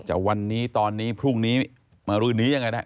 จะวันนี้ตอนนี้พรุ่งนี้มารื้อนี้ยังไงนะ